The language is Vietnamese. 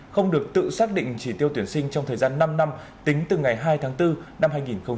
không được tự xác định chỉ tiêu tuyển sinh trong thời gian năm năm tính từ ngày hai tháng bốn năm hai nghìn hai mươi